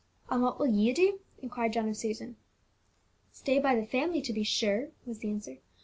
"And what will you do?" inquired John of Susan. "Stay by the family, to be sure," was the answer.